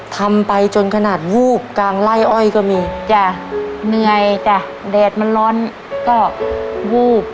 ทำไปจนขนาดวูบกลางไล่อ้อยก็มีจ้ะเหนื่อยจ้ะแดดมันร้อนก็วูบ